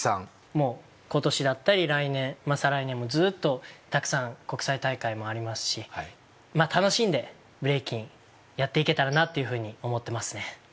もう今年だったり来年再来年もずうっとたくさん国際大会もありますし楽しんでブレイキンやっていけたらなと思ってますね